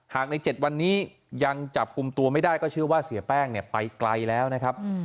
ใน๗วันนี้ยังจับกลุ่มตัวไม่ได้ก็เชื่อว่าเสียแป้งไปไกลแล้วนะครับ